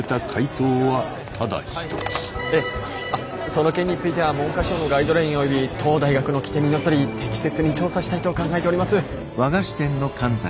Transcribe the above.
ええその件については文科省のガイドライン及び当大学の規程にのっとり適切に調査したいと考えております。